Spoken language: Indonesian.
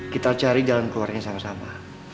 kita cari jalan keluarnya sama sama